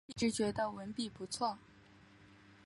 一直觉得文笔不错